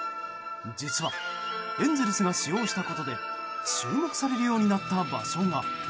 実はエンゼルスが使用したことで注目されるようになった場所が。